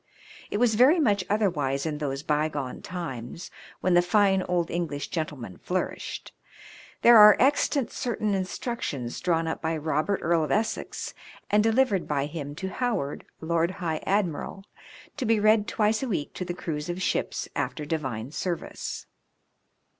It was very much other wise in those by gone times when the fine old English gentleman flourished. There are extant certain instruc tions drawn up by Eobert, Earl of Essex, and delivered by him to Howard, Lord High Admiral, to be read twice a week to the crews of ships after Divine service.